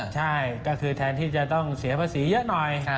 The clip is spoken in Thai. ใช่ก็คือแทนที่จะต้องเสียภาษีเยอะหน่อย